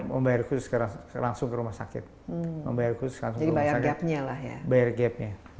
membayar khusus ke langsung ke rumah sakit membayar khusus ke rumah sakit jadi bayar gapnya lah ya